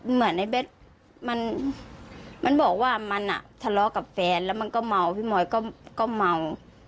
เหมือนในเบสมันบอกว่ามันอ่ะทะเลาะกับแฟนแล้วมันก็เมาพี่มอยก็เมา